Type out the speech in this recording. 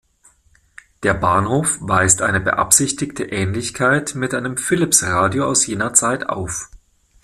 Der Bahnhof weist eine beabsichtigte Ähnlichkeit mit einem Philips-Radio aus jener Zeit auf.